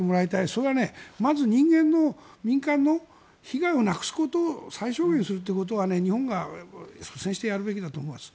それはまず人間の民間の被害をなくすこと最小限にするということは日本が率先してやるべきだと思います。